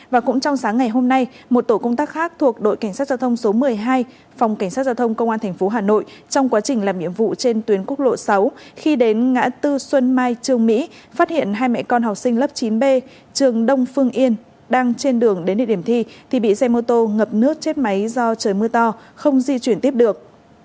và cũng trong sáng ngày hôm nay một tổ công tác khác thuộc đội cảnh sát giao thông số một mươi hai phòng cảnh sát giao thông công an thành phố hà nội trong quá trình làm nhiệm vụ trên tuyến quốc lộ sáu khi đến ngã tư xuân mai trường mỹ phát hiện hai mẹ con học sinh lớp chín b trường đông phương yên đang trên đường đến địa điểm thi thì bị xe mô tô ngập nước chết máy do trời mưa to không di chuyển tiếp được